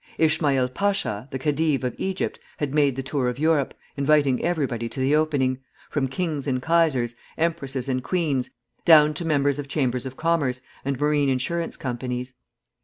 Ismaïl Pasha, the khedive of Egypt, had made the tour of Europe, inviting everybody to the opening, from kings and kaisers, empresses and queens, down to members of chambers of commerce and marine insurance companies.